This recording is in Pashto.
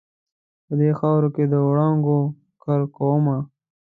په دې خاورو کې د وړانګو کرکومه